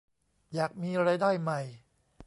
อยากมีรายได้ใหม่